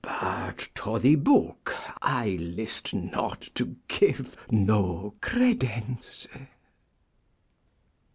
But to thy Boke I list not to give no credence.